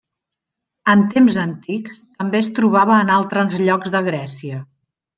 En temps antics, també es trobava en altres llocs de Grècia.